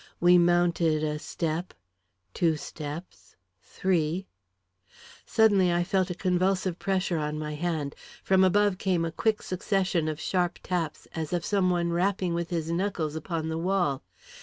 We mounted a step, two steps, three Suddenly I felt a convulsive pressure on my hand. From above came a quick succession of sharp taps, as of some one rapping with his knuckles upon the wall.